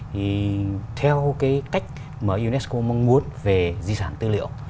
thì theo cái cách mà unesco mong muốn về di sản tư liệu